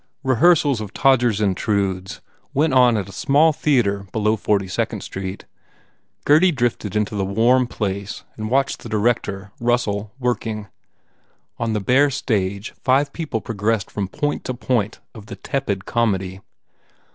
Rehearsals of "Todgers Intrudes" went on at a small theatre below Forty Second Street. Gurdy drifted into the warm place and watched the director, Russell, working. On the bare stage five people progressed from point to point of the tepid comedy.